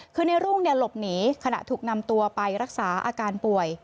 คือในรุ่งหลบหนีขณะถูกนำตัวไปรักษาอาการป่วย